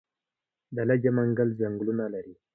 د لجه منګل ځنګلونه لري